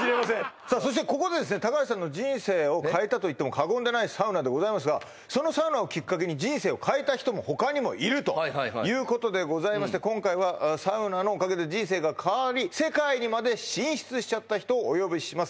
さあそしてここでですね高橋さんの人生を変えたといっても過言でないサウナでございますがそのサウナをきっかけに人生を変えた人も他にもいるということでございまして今回はサウナのおかげで人生が変わり世界にまで進出しちゃった人をお呼びします